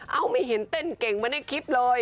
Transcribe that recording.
เอ้าไม่เห็นเต้นเก่งมาในคลิปเลย